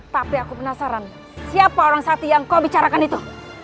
tapi aku penasaran siapa orang satu yang kau bicarakan itu